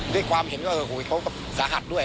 ด้วยความเห็นเขาก็สาหัสด้วย